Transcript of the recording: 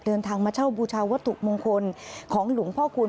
เดินทางมาเช่าบูชาวัตถุมงคลของหลวงพ่อคุณ